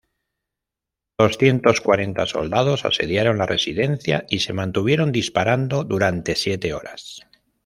Doscientos cuarenta soldados asediaron la residencia y se mantuvieron disparando durante siete horas.